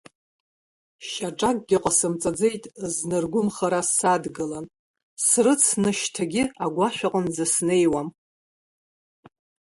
Шьаҿакгьы ҟасымҵаӡеит зны ргәымхара садгылан, срыцны шьҭагьы агәашә аҟынӡа снеиуам.